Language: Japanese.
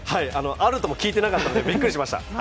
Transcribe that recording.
あるとも聞いてなかったんでびっくりしました。